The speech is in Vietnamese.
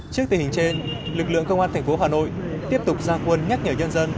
trước tình hình trên lực lượng công an thành phố hà nội tiếp tục ra quân nhắc nhở nhân dân